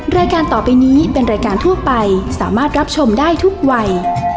รายการต่อไปนี้เป็นรายการทั่วไปสามารถรับชมได้ทุกวัย